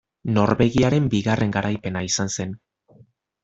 Norvegiaren bigarren garaipena izan zen.